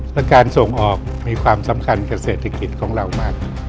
และการส่งออกมีความสำคัญกับเศรษฐกิจของเรามาก